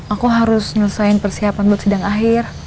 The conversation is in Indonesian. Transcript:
aku harus menyelesaikan persiapan buat sidang akhir